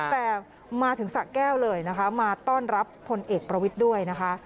แต่มาถึงสะแก้วเลยนะคะมาต้อนรับพลเอกประวิทย์ด้วยนะคะ